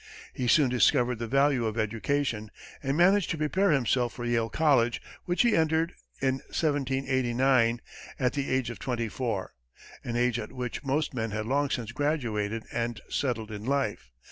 He soon discovered the value of education, and managed to prepare himself for Yale College, which he entered in 1789, at the age of twenty four an age at which most men had long since graduated and settled in life.